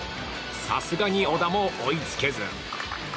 さすがに小田も追いつけず。